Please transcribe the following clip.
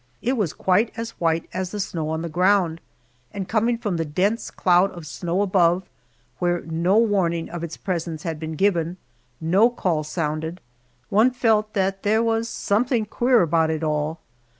It was quite as white as the snow on the ground, and coming from the dense cloud of snow above, where no warning of its presence had been given, no call sounded, one felt that there was something queer about it all.